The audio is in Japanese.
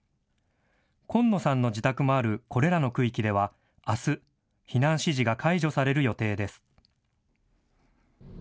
紺野さんの自宅もあるこれらの区域では、あす避難指示が解除される予定です。